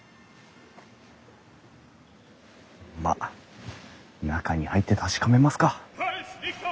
まっ中に入って確かめますか。